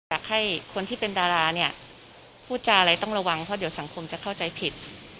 อยากให้คนที่เป็นดาราเนี่ยพูดจาอะไรต้องระวังเพราะเดี๋ยวสังคมจะเข้าใจผิด